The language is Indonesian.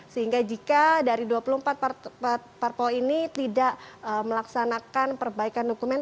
sehingga jika dari dua puluh empat parpol ini tidak melaksanakan perbaikan dokumen